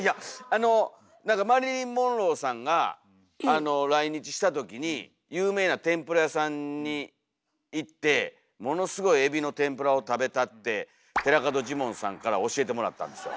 あの何かマリリン・モンローさんが来日した時に有名な天ぷら屋さんに行ってものすごいえびの天ぷらを食べたって寺門ジモンさんから教えてもらったんですよ。